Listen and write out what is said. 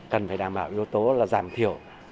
cần phải đảm bảo yếu tố là giảm thiểu